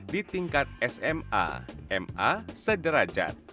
di tingkat sma ma sederajat